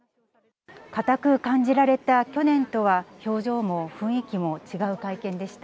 硬く感じられた去年とは、表情も雰囲気も違う会見でした。